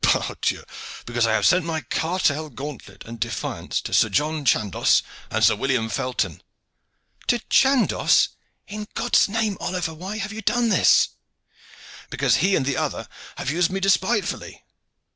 "Pardieu! because I have sent my cartel, gauntlet, and defiance to Sir John Chandos and to Sir William Felton." "To Chandos? In God's name, Oliver, why have you done this?" "Because he and the other have used me despitefully."